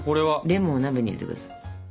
レモンを鍋に入れてください。